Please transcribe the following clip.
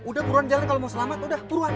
udah buruan jalan kalau mau selamat udah buruan